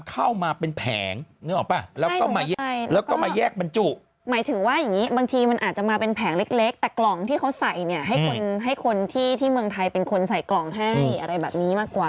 กล่องที่เขาใส่ให้คนที่ที่เมืองไทยเป็นคนใส่กล่องให้อะไรแบบนี้มากกว่า